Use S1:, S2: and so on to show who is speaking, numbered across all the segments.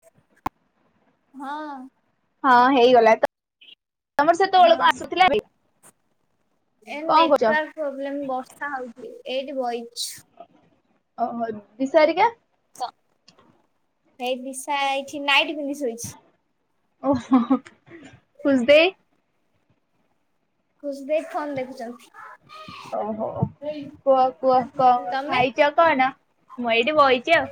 S1: ହଁ।
S2: ହଁ ହେଇଗଲା ତମର
S1: ହଁ
S2: ସେତେବେଳକୁ ଆସୁଥିଲା ବି
S1: ଏ ନେଟୱାର୍କ ପ୍ରୋବ୍ଲେମ ବର୍ଷା ହଉଛି ଏଇଠି ବଇଚୁ।
S2: ଓହୋ ଦିଶା ହରୀକା।
S1: ତ ଏଇ ନିଶା ଏଇଠି ନାଇଟି ପିନ୍ଧି ଶୋଇଛି।
S2: ଓହୋ ହୋ ଖୁସ୍ ଦେଇ।
S1: ଖୁସି ଦେଇ ଫୋନ ଦେଖୁଛନ୍ତି।
S2: ଓହୋ। କୁହ କୁହ କ
S1: ତମେ
S2: ଖାଇଛ କଣ ମୁଁ ଏଇଠି ବଇଛି ଆଉ?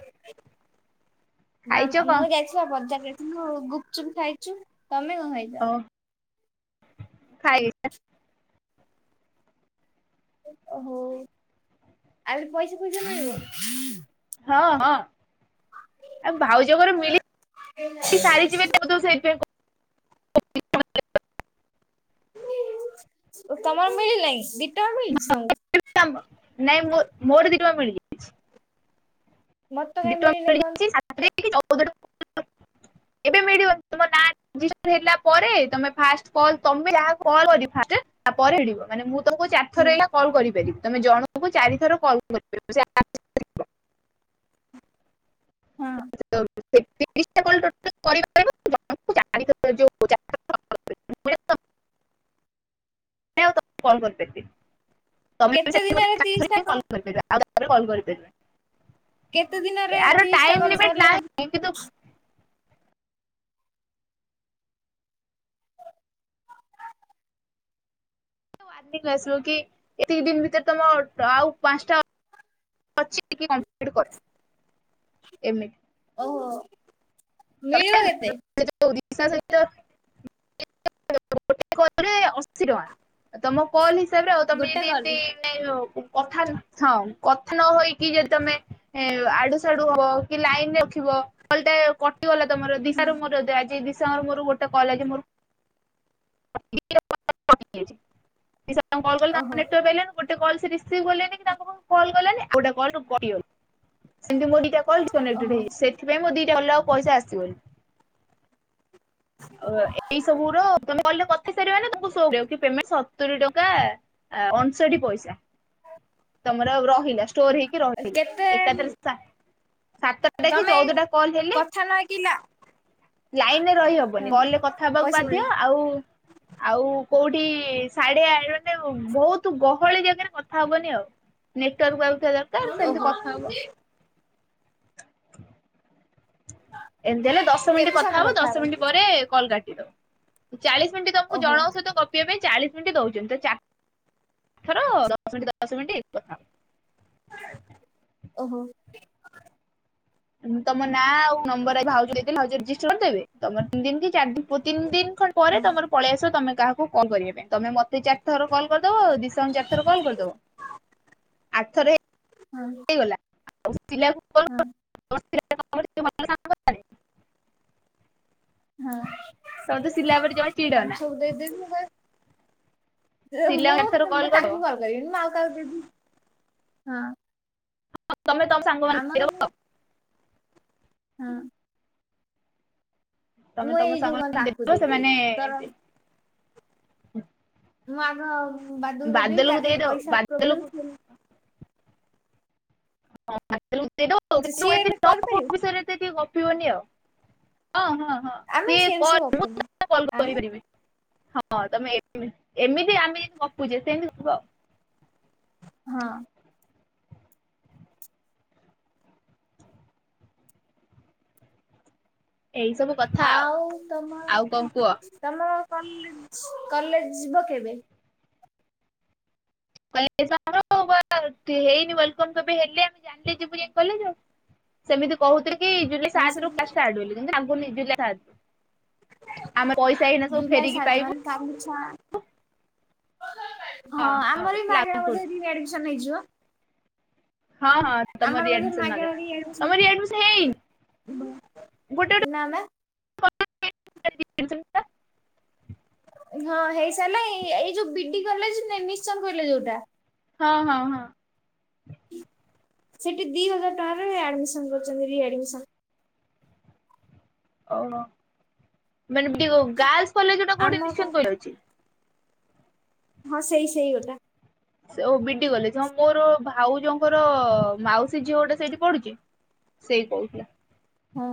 S1: ଦା
S2: ଖାଇଛ
S1: ଆ
S2: କଣ?
S1: ମୁଁ ଯାଇଥିଲି ବଜାର ଯାଇଥିଲୁ ଗୁପଚୁପ୍ ଖାଇଛୁ। ତମେ କଣ ଖାଇ
S2: ହଁ ଖାଇ
S1: ଓହୋ ଆଉ ପଇସା ଫଇସା ମିଳିବ।
S2: ହଁ ହଁ ଆଉ ଭାଉଜ ଘରୁ ମିଳି ସାରିଯିବେ ତାକୁ ତୁ ସେ
S1: ଓ ତମର ମିଳିନାହିଁ ଦି ଟଙ୍କା ମିଳିଛି ତମ
S2: ନା ମ ନାଇଁ ମୋ-ମୋର ଦି ଟଙ୍କା ମିଳିଚି
S1: ମତେ ତ
S2: ଦି
S1: କାହିଁ
S2: ଟଙ୍କା
S1: ମିଳିିନି
S2: ମିଳିଯାଇଛି
S1: ଏପର୍ଯ୍ୟନ୍ତ?
S2: ସାତରେ କି ଚଉଦ ଟଙ୍କା ଏବେ ମିଳିବନି ତମ [unintelligible] ହେଲା ପରେ ତମେ ଫାର୍ଷ୍ଟ କଲ୍ ତମେ ଯାହାକୁ କଲ କରିବା ଫାର୍ଷ୍ଟ ତାପରେ ମିଳିବ ମାନେ ମୁଁ ତମକୁ ଚାରି ଥର ଏଇନା କଲ୍ କରିପାରିବି ତମେ ଜଣଙ୍କୁ ଚାରି ଥର କଲ କରିପାରିବ ସେ ଆପ
S1: ହଁ
S2: [inaudible] ସେ ତିରିଶ ଟା କଲ ଟୋଟାଲ କରି ପାରିବ ପଡିବ ଜଣଙ୍କୁ ଚାରି ଥର ଯଉ ଚାର ଥର [inaudible] [inaudible] କଲ କରିପାରିବି। ତମେ ବି
S1: କେତେ
S2: ସେମିତି ମତେ
S1: ଦିନରେ
S2: ଚାରି
S1: ତିରିଶ
S2: ଥର ହିଁ
S1: ଟା
S2: କଲ୍ କରିପାରିବ ଆଉ ତାପରେ କଲ କରିପାରିବନି।
S1: କେତେ ଦିନରେ ତିରିଶ ଟା କଲ କରିଲେ ହ
S2: ଏମିତି ତୁ [unintelligible] ଆସିଲୁ କି ଏତିକି ଦିନ ଭିତରେ ତମ ଆଉ ପାଞ୍ଚଟା ଅଛି ଏତିକି କଂପ୍ଲିଟ୍ କ ଏମିତି
S1: ଓହୋ
S2: ତମେ
S1: ମିଳିବ କେତେ?
S2: ସେ ଯଉ ଦିସା ସହିତ। ଗୋଟେ କଲରେ ଅଶୀ ଟଙ୍କା ତମ କଲ ହିସାବରେ ଆଉ ତମେ
S1: ଗୋଟେ
S2: ଯଦି
S1: କଲ୍?
S2: ଏମିତି। ମାନେ କଥା ହଁ କଥା ନ ହୋଇକି ଯଦି ତମେ। ଏ ଆଡୁ ସାଡୁ ହବ କି ଲାଇନ ରଖିବ କଲ୍ଟେ କଟିଗଲା ତମର ଦିଶାରୁ ମୋର ଦ ଆଜି ଦିଶା ନମ୍ବରରୁ ଗୋଟେ କଲ ଆଇଚୀ ମୋର ଦିଶା ନମ୍ବରକୁ କଲ୍ କଲି ତାଙ୍କ
S1: ଓହୋ
S2: ନେଟୱାର୍କ ପାଇଲାନି ଗୋଟେ କଲ ସେ ରିସିଭ୍ କଲେନି କି ତାଙ୍କ ପାଖକୁ କଲ ଗଲାନି ଆଉ ଗୋଟେ କଲ୍ କଟିଗଲା। ସେମିତି ମୋ ଦିଟା କଲ୍ କନେକ୍ଟେଡ
S1: ଓହୋ
S2: ହେଇଯା ସେଥିପାଇଁ ମୋ ଦିଟା କଲ୍ ର ଆଉ ପଇସା ଆସିବନୀ ଓ ଏଇ ସବୁର ତମେ କଲରେ କଥା ହେଇସାରିବ ମାନେ ତମକୁ ସୋ କରିବ କି ପେମେଣ୍ଟ ସ୍ ସତୁରି ଟଙ୍କା ଆ ଅଣଷଠି ପଇସା ତମର ରହିଲା ଷ୍ଟୋର ହେଇକି ରହିଲା
S1: କେତେ
S2: ଏକାଥରେ ସା ସାତଟା କି
S1: ତମେ
S2: ଚଉଦଟା କଲ ହେଲେ
S1: କଥା ନହେଇ କି ଲା
S2: ଲାଇନରେ ରହିହବ
S1: ହଁ
S2: କଲ୍ ରେ କଥା ହବାକୁ
S1: ପଇସା
S2: ବାଧ୍ୟ
S1: ମିଳିବ
S2: ଆଉ ଆଉ କୋଉଠି ଶାଢୀଆ ମାନେ ବହୁତ ଗହଳି ଜାଗାରେ କଥା ହବନି ଆଉ ନେଟୱାର୍କ ଆଉଥିବା ଦରକାର ସେମିତି
S1: ଓହୋ।
S2: କଥା ହବ ଏମିତି ହେଲେ ଦଶ ମିନିଟ୍ କଥା ହବ ଦଶ ମିନିଟ୍ ପରେ କଲ୍ କାଟିଦବ। ଚାଳିଶ ମିନିଟ୍ ତମକୁ
S1: ଓହୋ
S2: ଜଣଙ୍କ ସହିତ କ ପିବା ପାଇଁ ଚାଳିଶ ମିନିଟ୍ ଦଉଛନ୍ତି ତ ଚା ରି ଥର ଦଶ ମିନିଟ୍ ଦସ୍ ମିନିଟ୍ କଥାହବ।
S1: ଓହୋ।
S2: ଉଁ ତମ ନାଁ ଆଉ ନମ୍ବରରେ ଭାଉଜ ଦେଇଦିଅ ଭାଉଜ ରେଜିଷ୍ଟର କରିଦେବେ ତମର ତିନ ଦିନ କି ଚାରି ଦିନ ତିନି ଦିନ ଖନଡ୍
S1: ହଁ
S2: ପରେ ତମର ପଳେଇ ଆସିବ ତମେ କାହାକୁ କଲ୍ କରିବା ପାଇଁ ତମେ ମତେ ଚାରି ଥର କଲ କରିଦବ ଆଉ ଦିସାଙ୍କୁ ଚାରିଥର କଲ୍ କରିଦବ ଆରଥର
S1: ହୁଁ।
S2: ହେଇଗଲା [unintelligible]
S1: ହଁ।
S2: [unintelligible] ଟିକେ ଭଲ ସାଙ୍ଗ ନା।
S1: ହଁ
S2: ତମେ ତ ଶିଲା ଉପରେ ଜମା ଚିଡନା
S1: ତାଙ୍କୁ ସବୁ ଦେଇଦେବି ମୁଁ କହି ମୁଁ
S2: ଶିଲାକୁ ଚାରିଥର
S1: ମୁଁ
S2: କରିଦବ
S1: ତାଙ୍କୁ କଲ କରିବିନିଁ ଆଉ କାହାକୁ ଯଦି ହଁ
S2: ତମେ ତମ ସାଙ୍ଗମାନଙ୍କୁ
S1: ଆମର
S2: କହିଦବ ଆଉ
S1: ହଁ।
S2: ତମେ
S1: ମୁଁ
S2: ତମ
S1: ଏଇ ଯୋଉ କ
S2: ସାଙ୍ଗମାନଙ୍କୁ
S1: ତାଙ୍କୁ
S2: ଦେଇଦବ
S1: ଦେଇ
S2: ସେମାନେ
S1: ଦେବି ତର ମୁଁ ଆମ ବାଦୁକୁ ଦେଇଦେବି
S2: ବାଦଲକୁ
S1: ତାର ଟିକେ
S2: ଦେଇଦବ
S1: ପଇସା ପ୍ରୋବ୍ଲେମ୍
S2: ବାଦଲକୁ
S1: ସିଏ
S2: [unintelligible] ଏତେ ଲଭ୍ ଫଭ୍
S1: ସିଏ ଏଇନେ କରିପାରିବ?
S2: ବିଷୟରେ ଏତେ ଟିକେ ଗପିବନି ଆଉ। ହଁ ହଁ ହଁ
S1: ଆମେ
S2: ସିଏ
S1: ସେ ବିଷୟରେ
S2: କଲ୍
S1: ଗପିନୁ
S2: [unintelligible] କଲ୍
S1: ଆମେ
S2: କରିପାରିବେ। ହଁ ତମେ ଏମିତି ଆମେ ଯେମିତି ଗପୁଛେ ସେମିତି ଗପ ଆଉ।
S1: ହଁ।
S2: ଏଇସବୁ
S1: ଆଉ ତମ ତମର କଲେ କଲେଜ ଯିବ କେବେ?
S2: କହିଲେ ସ ହେଇନି ୱଲକମ କେବେ ହେଲେ ଆମେ ଜାଣିଲେ ଯିବୁ ଯାଇ କଲେଜ ଆଉ ସେମିତି କହୁଥିଲେ କି ଜୁଲାଇ
S1: ହଁ ସେ
S2: ସାତରୁ କ୍ଲାସ ଷ୍ଟାର୍ଟ ବୋଲି କିନ୍ତୁ ଲାଗୁନି ଜୁଲାଇ ସା
S1: ଜୁଲାଇ
S2: ଫେରିକି
S1: ସାତ
S2: ପାଇବୁ।
S1: ମାନେ କାଲି ଛ ହଁ ଆମର ବି ମାଗେଣା ବୋଧେ ରିଆଡମିସନ ହେଇଯିବ?
S2: ହଁ ହଁ ତମ
S1: ଆମର ବୋଧେ
S2: ରିଆଡମିସନ
S1: ମଗେନା
S2: ନଗା ତମ
S1: ରିଆଡମିସନ
S2: ହେଇନି ଗୋଟେ
S1: ନା ନା
S2: ଗୋଟେ
S1: ହଁ ହେଇସାରିଲା ଏଇ ଏଇ ଯୋଉ ବିଡି କଲେଜ ନିଶ୍ଚୟ କହିଲେ ଯୋଉଟା
S2: ହଁ ହଁ ହଁ।
S1: ସେଠି ଦି ହଜାର ଟଙ୍କାରେ ଆଡମିସନ କରୁଛନ୍ତି ରିଆଡମିସନ
S2: ଓହ ମାନେ ଦି ଗାର୍ଲସ କଲେଜ ଟା କୋଉଠି
S1: ଆମର କଣ
S2: ନିଶ୍ଚୟକୋଇଲି ରେ ଅଛି?
S1: ହଁ ସେଇ ସେଇ ଗୋଟା
S2: ସେ ଓ ବିଡି କଲେଜ ହଁ ମୋର ଭାଉଜଙ୍କର ମାଉସୀ ଝିଅ ଗୋଟେ ସେଇଠି ପଢୁଛି ସେଇ କହୁଥିଲା।
S1: ହଁ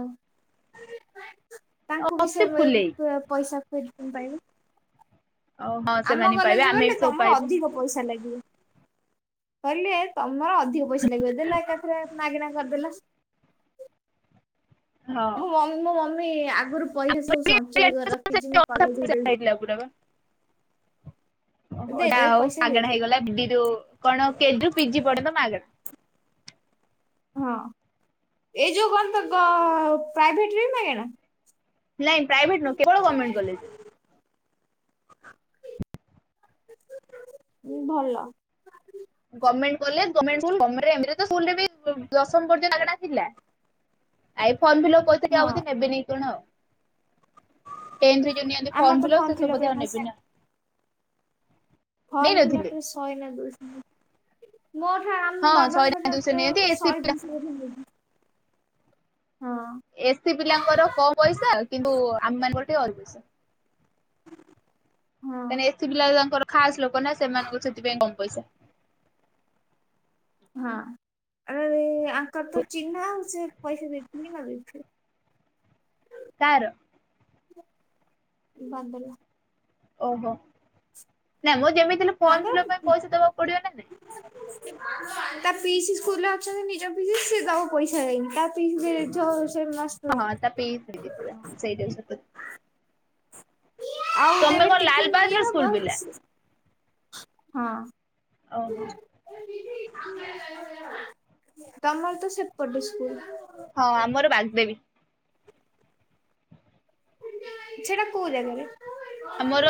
S1: ତାଙ୍କୁ ବି ସେ
S2: ଅତି
S1: ଏ
S2: ଫୁଲେଇ
S1: ପ ପଇସା [unintelligible] ପାଇବୁ
S2: ହଁ
S1: ଆମ
S2: ସେମାନେ ପାଇବେ
S1: କଲେଜରେ
S2: ଆମେ
S1: ଗଲେ
S2: ବି ସବୁ
S1: ତମର
S2: ପାଇବୁ
S1: ଅଧିକ ପଇସା ଲାଗିବ। କହିଲେ ତମର ଅଧିକ ପଇସା ଲାଗିବ ଦେଲା ଏକାଥରେ ମାଗିଣା କରିଦେଲା।
S2: ହଁ।
S1: ମୋ ମମି ଆଗରୁ ପଇସା ସବୁ ସଞ୍ଚୟ କରି ରଖିଛି ମୁଁ କଲେଜ ଦେବି।
S2: ହେଇଥିଲା ପୁରା ପା। ଓହୋ ଯାହା
S1: ଦେଇଦେବେ
S2: ହଉ
S1: ପଇସା
S2: ମାଗଣା
S1: ଦେଇଦେବେ
S2: ହେଇଗଲା [unintelligible] କଣ ଏଲ କେଜିରୁ ପିଜି ପର୍ଯ୍ୟନ୍ତ ମାଗଣା। [inaudible]
S1: ହଁ ଏଇ ଯୋଉ କଣ ତ ପ୍ରାଇଭେଟରେ ମାଗେଣା?
S2: ନାଇଁ ପ୍ରାଇଭେଟ ନୁହଁ କେବଳ ଗଭର୍ଣ୍ମେଣ୍ଟ କଲେଜ।
S1: ହୁଁ ଭଲ।
S2: Government college government school government ସ୍କୁଲରେ ବି ଦଶମ ପର୍ଯ୍ୟନ୍ତ ମାଗେଣା ଥିଲା। ଆ ଫର୍ମ ଫିଲପ୍ କରିି
S1: ହଁ
S2: ଆଉ ନେବେନି କଣ ଆଉ? କେନ୍ଦ୍ରରେ ଯୋଉ ନିଅନ୍ତି
S1: ଆମର
S2: ଫର୍ମ
S1: ତ
S2: ଫିଲପ୍ ସେ ସବୁ
S1: ଫିଲପରେ
S2: ବୋଧେ
S1: ପଇସା
S2: ନେବେନି ନା କଣ?
S1: ଫର୍ମ ଫିଲ୍
S2: ନଥିଲେ।
S1: ପରେ ଶହେ ନାଗୁରୁ ମୋ ଠାରୁ ଆମ
S2: ହଁ ଶହେ
S1: ବାବାଙ୍କ
S2: ଟଙ୍କା
S1: ଠାରୁ
S2: ଦୁଇଶହ ନିଅନ୍ତି
S1: ତ
S2: ଏସି
S1: ଶହେ
S2: ପିଲା
S1: ଜିନିଷ
S2: ଏସି ପିଲାଙ୍କର କମ ପଇସା କିନ୍ତୁ ଆମ ମାନଙ୍କର ଟିକେ ଅଧିକ ପଇସା।
S1: ହଁ
S2: ତାହେଲେ ଏସି ପିଲା ତାଙ୍କର ଖାସ ଲୋକ ନା ସେମାନଙ୍କୁ ସେଥିପାଇଁ କମ ପଇସା?
S1: ହଁ ଆରେ ଆଙ୍କର ତ ଚିହ୍ନାଉ ସେ ପଇସା ଦେଇଥିବେ କି ନ ଦେଇ ଥିବେ?
S2: ତାର।
S1: ବାନ୍ଦଲା।
S2: ଓହୋ ନାଇଁ ମୁଁ ଯେମିତି ଫର୍ମ
S1: ତାଙ୍କ
S2: ଫିଲପ୍ ପାଇଁ ପଇସା ଦବାକୁ ପଡିବ ନା ନାଇଁ?
S1: ତା ପିଇସି ସ୍କୁଲ ରେ ଅଛନ୍ତି ନିଜ ପିଇସି ସେ ଦବ ପଇସା ଦେଇନି ତା [unintelligible]
S2: ହଁ ତା ପିଇସି ଦେଇଥିଲେ ସେଇଟା।
S1: ଆଉ
S2: ତମେ
S1: ଦେବେ
S2: କଣ
S1: ଟିଫନ୍
S2: ଲାଲବାହାଦୁର
S1: ଏ
S2: ସ୍କୁଲ
S1: ହବ
S2: ପିଲା
S1: ହଁ।
S2: ଓହୋ।
S1: ତମର ତ ସେପଟେ ସ୍କୁଲ।
S2: ହଁ ଆମର ବାଗ୍ଦେବୀ।
S1: ସେଟା କୋଉ ଜାଗାରେ?
S2: ଆମର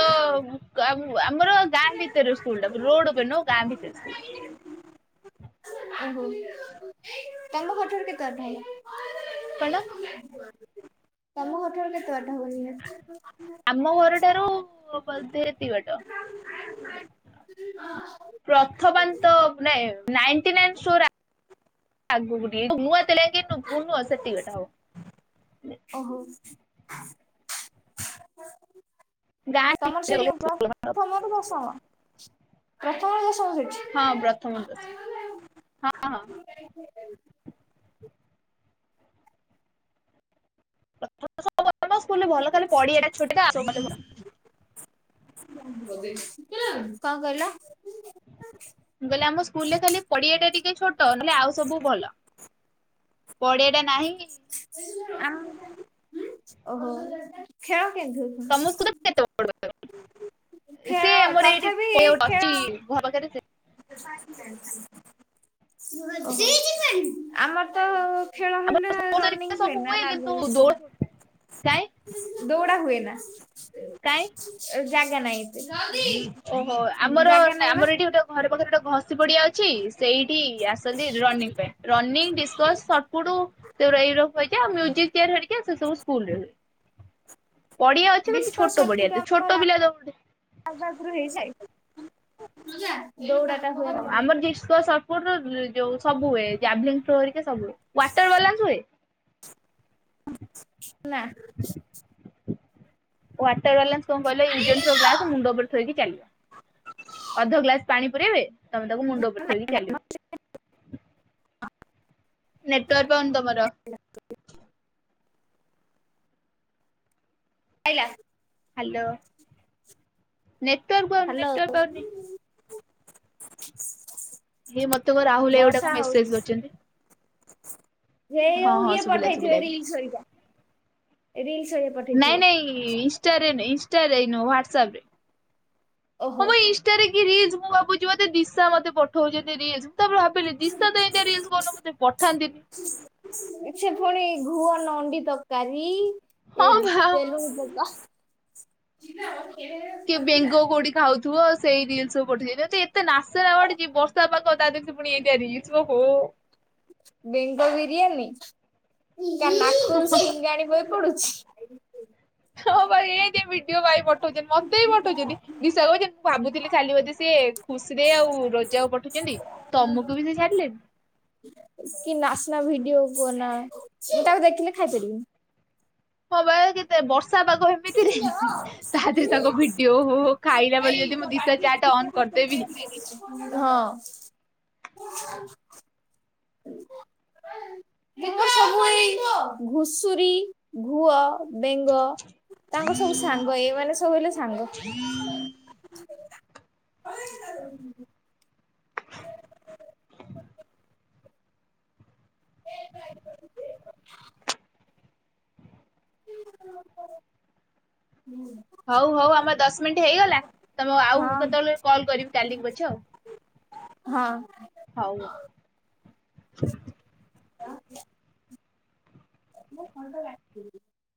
S2: ଆମର ଗାଁ ଭିତରେ ସ୍କୁଲ ଟା ରୋଡ ଉପରେ ନୁହଁ ଗାଁ ଭିତରେ ସ୍କୁଲ। [inaudible]
S1: ଓହୋ ତାଙ୍କ ଘର ଠାରୁ କେତେ ବାଟ ହବ?
S2: କଣ?
S1: ତମ ଘର ଠାରୁ କେତେବାଟ ହବ?
S2: ଆମ ଘରଠାରୁ ସେତିକି ବାଟ
S1: ଓହୋ
S2: ପ୍ରଥବାନ୍ତ ତ ନାଇଁ। ନାଇନଟି ନାଇନ ଷ୍ଟୋର ଆଗକୁ ହବ [unintelligible] ସେତିକି ବାଟ ହବ।
S1: ଓହୋ।
S2: ଗାଁ
S1: ତମର
S2: ଭିତରେ
S1: ସେଠି
S2: ଗଲେ
S1: ପ୍ରଥମରୁ ଦଶମ ପ୍ରଥମରୁ ଦଶମ ସେଇଠି?
S2: ହଁ ପ୍ରଥମ ରୁ ଦଶମ ହଁ ହଁ। ହଁ ସ୍କୁଲରେ ଭଲ ଖାଲି [unintelligible]
S1: କଣ କହିଲ?
S2: ମୁଁ କହିଲି ଆମ ସ୍କୁଲ ରେ ଖାଲି ପଡିଆ ଟା ଟିକେ ଛୋଟ ନହେଲେ ଆଉ ସବୁ ଭଲ। ପଡିଆଟା ନାହିଁ କି?
S1: ଆ ଓହୋ ଖେଳ କେମିତି
S2: ତମ ସ୍କୁଲ
S1: ହୋଉଛି?
S2: କେତେ ବଡ ସେ
S1: ଖେଳ
S2: ଆମର ଏଇଠି
S1: ତଥାପି
S2: ପଡିଆ ଗୋଟେ
S1: ଖେଳ
S2: [unintelligible]
S1: ଆମର ତ ଖେଳ
S2: ଆମର
S1: ହେଲେ
S2: ସ୍ପୋର୍ଟସ
S1: ରନିଂ
S2: ହେରିକା ସବୁ
S1: ହୁଏନା
S2: ହୁଏ କିନ୍ତୁ
S1: ଲାଗୁନି।
S2: ଦୌଡ କାଇଁ
S1: ଦୌଡ଼ା ହୁଏ ନା
S2: କାଇଁ
S1: ଜାଗା ନାହିଁ। ଏତେ।
S2: ଓହୋ ଆମର
S1: ଜାଗା ନାଇଁ ବା
S2: ଆମର ଏଠି ଗୋଟେ ଘରେ ପାଖରେ ଗୋଟେ ଘଷି ପଡିଆ ଅଛି। ସେଇଠି ଆସନ୍ତି ରନିଙ୍ଗ ପାଇଁ ରନିଂ, ଡିସକ୍ସ, ସଟଫୁଟ। ଶେଗୁରା ଇଉରପ୍ ହୋଚା ମ୍ୟୁଜିକ ଚିଆରାହେରିକା ସେ ସବୁ ସ୍କୁଲରେ ହୁଏ। ପଡିଆ ଅଛି କିନ୍ତୁ
S1: ଡିସ୍କସ୍
S2: ଛୋଟ ପଡିଆଟେ ଛୋଟ ପିଲା ଦଉଡେ
S1: ତାଙ୍କ ଆଗରୁ ହେଇସାଇଲାଣି। ଦୌଡ଼ା ଖୁଁ।
S2: ଓ ଆମର ଡିସ୍କସ ଯଉ ସବୁ ହୁଏ ଯାବଳୀନ୍ସ ଥ୍ରୋ ହେକା ସବୁହୁଏ ୱାଟର ବାଲାନ୍ସ ହୁଏ।
S1: ନା।
S2: ୱାଟର ବାଲାନ୍ସ କଣ କହିଲ ୟୁଜ ଆଣ୍ଡ ଥ୍ରୋ ଗ୍ଲାସ ମୁଣ୍ଡ ଉପରେ ଥାଇକି ଚାଲିବ ଅଧ ଗ୍ଲାସ ପାଣି ପୁରେଇବେ ତମେ ତାକୁ ମୁଣ୍ଡ ଉପରେ ଥୋଇକି
S1: ଆଇଲା
S2: ଚାଲିବ। ନେଟୱାର୍କ ପାଉନି ତମର?
S1: ଆ ଆଇଲା।
S2: ହାଲୋ ନେଟୱର୍କ ପାଉନି
S1: ହାଲୋ
S2: ନେଟୱର୍କ ପାଉନି। ହେ ମତେ କଣ ରାହୁଲ ଏଇଗୋଟେ ମେସେଯେ କରିଛନ୍ତି।
S1: ହେ
S2: ହଁ
S1: ଯଉ
S2: ହଁ
S1: ଇଏ
S2: ଶୁଭିଲା ଶୁଭିଲା
S1: ପଠେଇଥିବେ
S2: ଏବେ।
S1: ରିଲ୍ସ ହେରିକା ରିଲ୍ସ ହେରିକା।
S2: ନାଇଁ ନାଇଁ ଇନଷ୍ଟାରେ ଇନଷ୍ଟାରେ ହ୍ଵାଟସପ ରେ।
S1: ଓହୋ।
S2: ଟା ରେ କି ରିଲ୍ସ ମୁଁ ଭାବୁଛି ମତେ ଦିଶା ମତେ ପଠଉଛନ୍ତି ରିଲ୍ସ। ସେତ ବେଳେ ଭାବିଲି ଦିଶା ତ ଏମିତି ରିଲ୍ସ କଉଦିନ ଏମିତି ମୋତେ ପଠାନ୍ତିନି।
S1: ସେ ପୁଣି ଘୁଅ ନଣ୍ଡି ତରକାରୀ
S2: ହଁ
S1: ଏଇ
S2: ବା ହଁ ବା।
S1: ତେଲୁଗୁଣି ପୋକ ଛିଲୋ।
S2: କିଏ ବେଙ୍ଗୋ କୋଉଠି ଖାଉଥିବ ସେଇ ରିଲ୍ସ ସବୁ ପଠଉଛନ୍ତି ଏତେ ନାଶନା ମାଡୁଚି ଏ ବର୍ଷା ପାାଗ ତା ପି ପୁଣି ଏତିଆ ରିଲ୍ସ ଓହ।
S1: ବେଙ୍ଗ ବିରିୟାନୀ ତା ନାକ ରୁ ସିଙ୍ଗାଣି ବହି ପଡୁଛି।
S2: ହଁ ଭାଇ ଏ ଯେ ବିଡିଓ ଭାଇ ପଠଉଛନ୍ତି ମତେ ବି ପଠଉଛନ୍ତି ବିଶା କହୁଛନ୍ତି। ମୁଁ ଭାବୁଥିଲି ଖାଲି ବୋଧେ ସିଏ ଖୁସିରେ ଆଉ ରଜାକୁ ପଠଉଛନ୍ତି ତମକୁ ବି ସେ ସାରିଲେନି।
S1: କି ନାଚନା ଭିଡିଓ କୁହନା ମୁଁ ତାକୁ ଦେଖିଲେ ଖାଇପାରିବିନି।
S2: ହଁ ବା କେତେ ବର୍ଷା ପାଗ। ମିତିରେ ତାଭିତରେ ତାଙ୍କ
S1: ତାଙ୍କର
S2: ଭିଡିଓ ହୋଉ ହୋଉ ଖାଇଲା ବଳେ ଯଦି ମୁଁ ଦିଟା ଚାରିଟା ଅନ୍ କରିଦେବି
S1: ହଁ। ଘୁଷୁରୀ ଘୁଅ। ବେଙ୍ଗ ତାଙ୍କର ସବୁ ସାଙ୍ଗ ଏଇ ମାନେ ସବୁ ହେଲେ ସାଙ୍ଗ। ହୁଁ।
S2: ହଉ ହଉ ଆମର ଦଶ ମିନିଟ୍ ହେଇଗଲା ତମକୁ ଆଉ କେତେବେଳେ କଲ୍ କରିବି କାଲି ପଛେ ଆଉ।
S1: ହଁ।
S2: ହଉ।
S1: ହଁ। ଗାଁ କୁ। ମୁଁ ଖଞ୍ଜ ଯାଣିଛି।